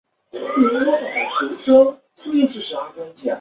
研究疫情后期涉法社会问题的解决和各类矛盾的化解